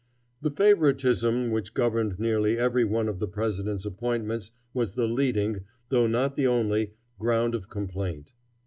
The favoritism which governed nearly every one of the president's appointments was the leading, though not the only, ground of complaint.